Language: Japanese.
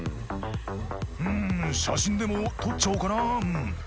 「うん写真でも撮っちゃおうかなうん」